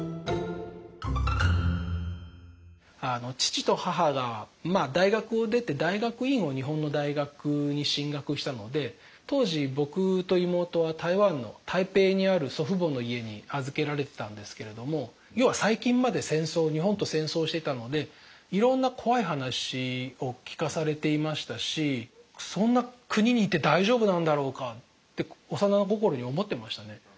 父と母が大学を出て大学院を日本の大学に進学したので当時僕と妹は台湾の台北にある祖父母の家に預けられてたんですけれども要は最近まで戦争日本と戦争してたのでいろんな怖い話を聞かされていましたしそんな国に行って大丈夫なんだろうかって幼心に思ってましたね。